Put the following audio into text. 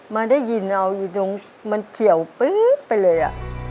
มาได้ยินเอาอยู่ตรงมันเฉียวปึ๊บไปเลย